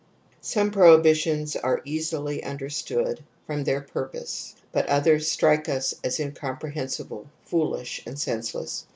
}\\/ y Some prohibitions are easily understood from 'yj/ their purpose but others strike us as incompre ^jf hensible, foolish and senseless.